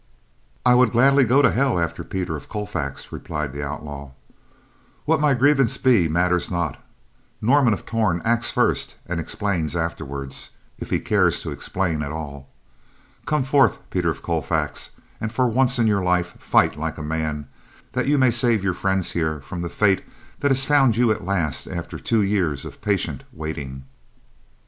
"I would gladly go to hell after Peter of Colfax," replied the outlaw. "What my grievance be matters not. Norman of Torn acts first and explains afterward, if he cares to explain at all. Come forth, Peter of Colfax, and for once in your life, fight like a man, that you may save your friends here from the fate that has found you at last after two years of patient waiting."